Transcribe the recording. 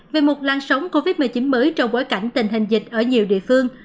về một lan sóng covid một mươi chín mới trong bối cảnh tình hình dịch ở nhiều địa phương